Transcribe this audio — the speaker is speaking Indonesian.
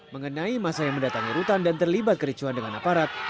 mengenai masa yang mendatangi rutan dan terlibat kericuan dengan aparat